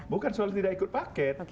bukan soal tidak ikut paket